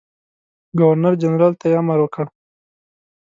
ګورنرجنرال ته یې امر وکړ.